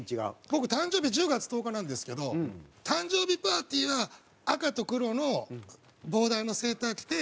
僕誕生日１０月１０日なんですけど誕生日パーティーは赤と黒のボーダーのセーター着て。